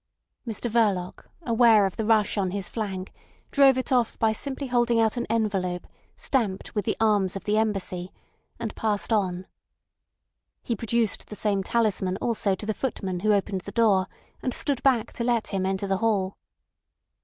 Mr Verloc, aware of the rush on his flank, drove it off by simply holding out an envelope stamped with the arms of the Embassy, and passed on. He produced the same talisman also to the footman who opened the door, and stood back to let him enter the hall.